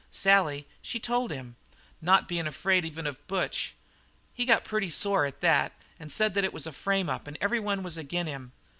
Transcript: Sally, she told him, not being afraid even of Butch. He got pretty sore at that and said that it was a frame up and everyone was ag'in' him.